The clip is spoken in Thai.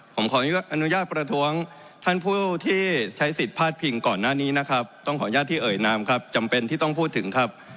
ขออนุญาตสิ่งที่ท่านชี้แจ่ง